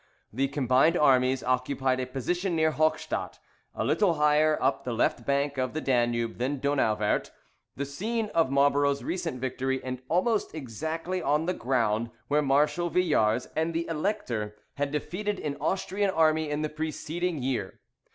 The combined armies occupied a position near Hochstadt, a little higher up the left bank of the Danube than Donauwert, the scene of Marlborough's recent victory, and almost exactly on the ground where Marshal Villars and the Elector had defeated an Austrian army in the preceding year.